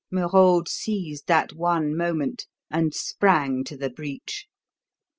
Merode seized that one moment and sprang to the breach.